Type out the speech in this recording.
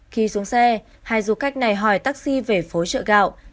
khi xuống xe hai du khách này hỏi taxi về phối trợ gạo